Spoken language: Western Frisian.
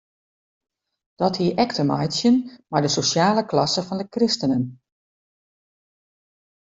Dat hie ek te meitsjen mei de sosjale klasse fan de kristenen.